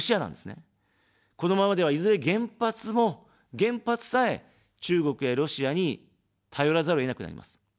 このままでは、いずれ原発も、原発さえ、中国やロシアに頼らざるをえなくなります。